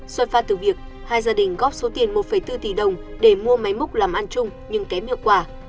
xuất phát từ việc hai gia đình góp số tiền một bốn tỷ đồng để mua máy múc làm ăn chung nhưng kém hiệu quả